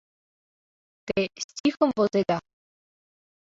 — Те стихым возеда?